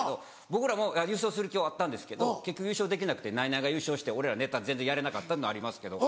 僕らも優勝する気はあったんですけど結局優勝できなくてナイナイが優勝して俺らネタ全然やれなかったのはありますけど。